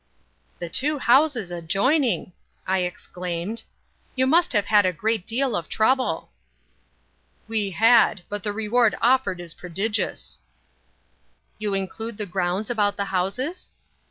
"The two houses adjoining!" I exclaimed; "you must have had a great deal of trouble." "We had; but the reward offered is prodigious!" "You include the grounds about the houses?"